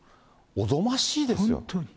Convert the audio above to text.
おぞましいですよ。